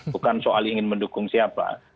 bukan soal ingin mendukung siapa